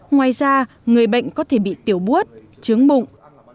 ngoài ra người bệnh có thể bị tiểu but chướng bụng